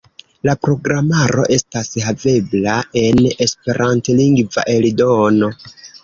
La programaro estas havebla en esperantlingva eldono.